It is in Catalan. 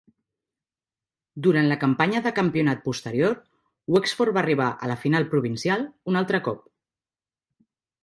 Durant la campanya de campionat posterior, Wexford va arribar a la final provincial un altre cop.